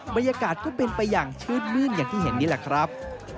บรรยากาศก็เป็นไปอย่างชื่นมื้นอย่างที่เห็นนี่แหละครับ